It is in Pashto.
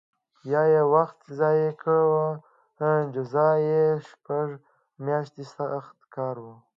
یا یې وخت ضایع کاوه جزا یې شپږ میاشتې سخت کار و